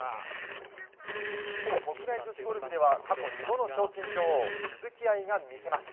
一方、国内女子ゴルフでは過去２度の賞金女王鈴木愛が見せます。